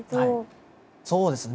そうですね